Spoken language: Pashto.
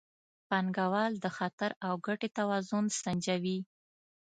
پانګوال د خطر او ګټې توازن سنجوي.